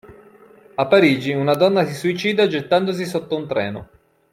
A Parigi una donna si suicida gettandosi sotto un treno.